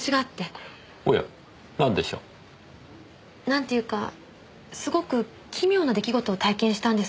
おや何でしょう？なんていうかすごく奇妙な出来事を体験したんです。